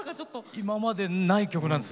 今までにない曲なんです。